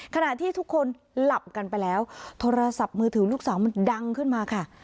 ขณะที่ทุกคนหลับกันไปแล้วโทรศัพท์มือถือลูกสาวมันดังขึ้นมาค่ะ